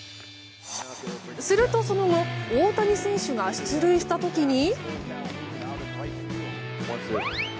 するとその後大谷選手が出塁した時に。